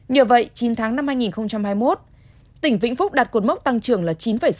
nhờ vậy chín tháng năm hai nghìn hai mươi một tỉnh vĩnh phúc đạt cột mốc tăng trưởng là chín sáu mươi hai